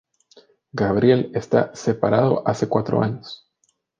Gabriel está separado hace cuatro años.